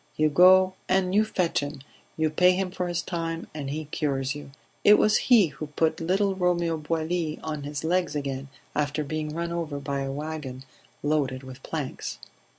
You go and you fetch him, you pay him for his time, and he cures you. It was he who put little Romeo Boilly on his legs again after being run over by a wagon loaded with planks."